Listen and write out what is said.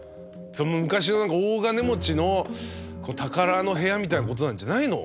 昔の大金持ちの宝の部屋みたいなことなんじゃないの？